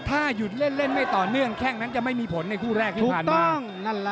ถ้าหยุดเล่นไม่ต่อเนื่องแค่งนั้นจะไม่มีผลในคู่แรกที่ผ่านมา